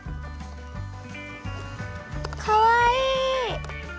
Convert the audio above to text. かわいい。